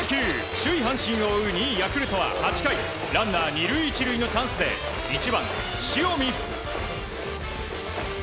首位、阪神を追う２位ヤクルトは８回ランナー２塁１塁のチャンスで１番、塩見。